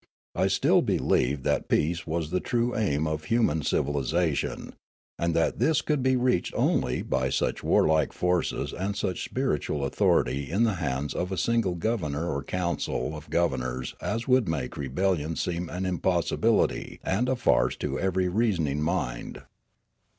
I still believed that peace was the true aim of human civilisation, and that this could be reached only by such warlike forces and such spiritual authority in the hands of a single governor or council of governors as would make rebel lion seem an impossibility and a farce to every reason ing mind.